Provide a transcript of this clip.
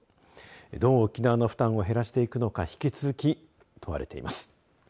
どう沖縄の負担を減らしていくのか、引き続き問われています。